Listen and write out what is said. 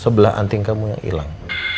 sebelah anting kamu yang hilang